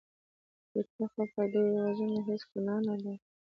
چې ته خو په دې وژنه کې هېڅ ګناه نه لرې .